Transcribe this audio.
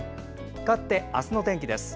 かわって、明日の天気です。